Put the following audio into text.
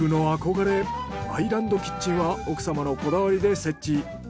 アイランドキッチンは奥様のこだわりで設置。